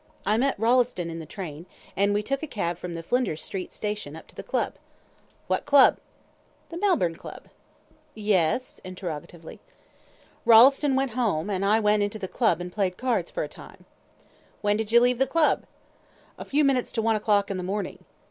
"I met Rolleston in the train, and we took a cab from the Flinders Street station up to the Club." "What Club?" "The Melbourne Club." "Yes?" interrogatively. "Rolleston went home, and I went into the Club and played cards for a time." "When did you leave the Club?" "A few minutes to one o'clock in the morning."